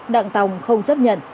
đặng tòng không chấp nhận